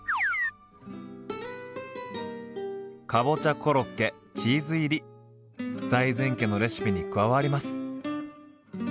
かぼちゃコロッケチーズ入り財前家のレシピに加わります。